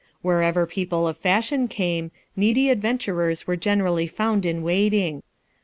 Wherever people of fashion came, needy adventurers were generally found in waiting.